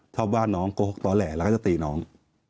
ถ้าบ้าน้องโกหกตอแหลบแล้วก็จะตีน้อง